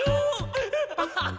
アハハハハ！